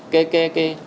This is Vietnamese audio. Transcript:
kê kê kê